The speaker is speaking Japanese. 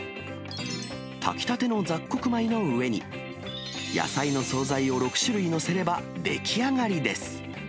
炊きたての雑穀米の上に、野菜の総菜を６種類載せれば出来上がりです。